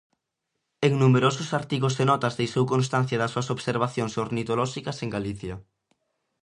En numerosos artigos e notas deixou constancia das súas observacións ornitolóxicas en Galicia.